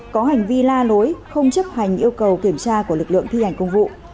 có hành vi la lối không chấp hành yêu cầu kiểm tra của lực lượng thi hành công vụ